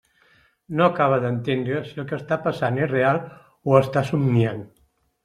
No acaba d'entendre si el que està passant és real o està somniant.